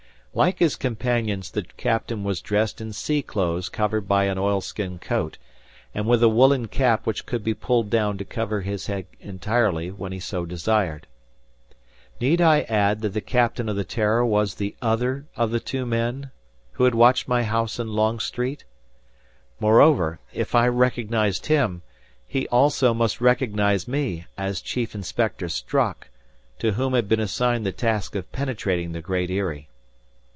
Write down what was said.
Like his companions the captain was dressed in sea clothes covered by an oil skin coat, and with a woolen cap which could be pulled down to cover his head entirely, when he so desired. Need I add that the captain of the "Terror" was the other of the two men, who had watched my house in Long street. Moreover, if I recognized him, he also must recognize me as chief inspector Strock, to whom had been assigned the task of penetrating the Great Eyrie.